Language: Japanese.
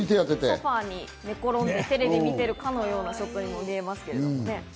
ソファに寝転んでテレビを見ているかのようなショットに見えますね。